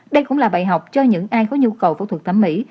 đây cũng là bài học cho những ai có nhu cầu phẫu thuật thẩm mỹ